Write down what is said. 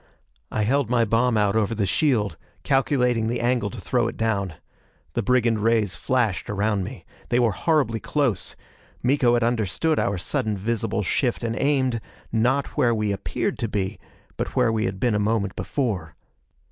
I held my bomb out over the shield, calculating the angle to throw it down. The brigand rays flashed around me. They were horribly close; Miko had understood our sudden visible shift and aimed, not where we appeared to be, but where we had been a moment before.